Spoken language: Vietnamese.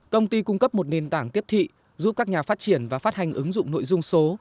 công ty cung cấp một nền tảng tiếp thị giúp các nhà phát triển và phát hành ứng dụng nội dung số